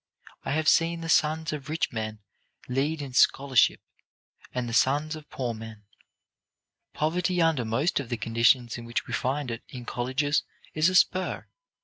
I have seen the sons of rich men lead in scholarship, and the sons of poor men. Poverty under most of the conditions in which we find it in colleges is a spur.